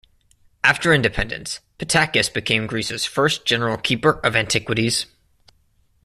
After independence, Pittakis became Greece's first General Keeper of Antiquities.